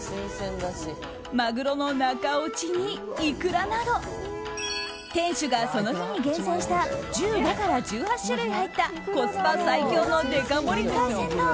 マグロの中落ちに、イクラなど店主がその日に厳選した１５から１８種類入ったコスパ最強のデカ盛り海鮮丼。